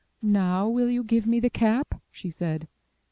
"Now will you give me the cap?*' she said.